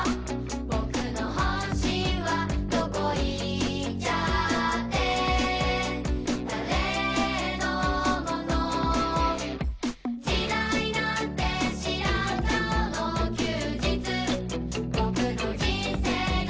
「ぼくの本心はどこ行っちゃって、だれのもの」「時代なんてしらん顔の休日」「ぼくの人生だ」